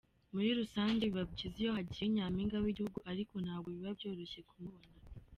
Muri rusange biba byiza iyo hagiye Nyampinga w’igihugu ariko ntabwo biba byoroshye kumubona.